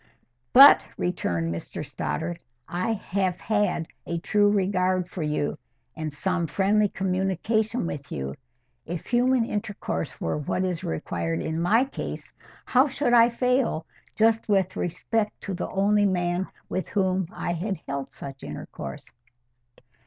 "But," returned Mr Stoddart, "I had had a true regard for you, and some friendly communication with you. If human intercourse were what is required in my case, how should I fail just with respect to the only man with whom I had held such intercourse?"